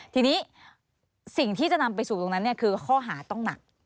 ทีนี้สิ่งที่จะนำไปสู่ตรงนั้นคือข้อหาต้องหนัก